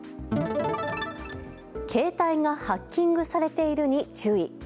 携帯がハッキングされているに注意。